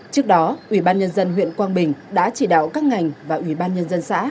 trước đó ủy ban nhân dân huyện quang bình đã chỉ đạo các ngành và ủy ban nhân dân xã